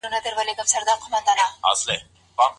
تر واده مخکي کومې لارښوونې ضروري دي؟